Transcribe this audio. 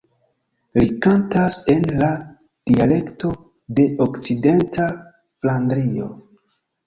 Li kantas en la dialekto de Okcidenta Flandrio.